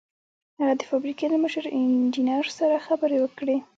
هغه د فابریکې له مشر انجنیر سره خبرې وکړې